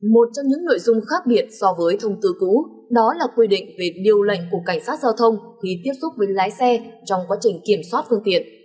một trong những nội dung khác biệt so với thông tư cũ đó là quy định về điều lệnh của cảnh sát giao thông khi tiếp xúc với lái xe trong quá trình kiểm soát phương tiện